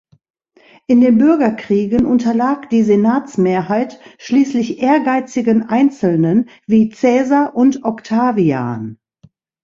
In den Bürgerkriegen unterlag die Senatsmehrheit schließlich ehrgeizigen Einzelnen wie Caesar und Octavian.